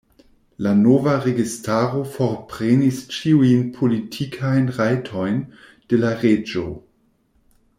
La nova registaro forprenis ĉiujn politikajn rajtojn de la reĝo.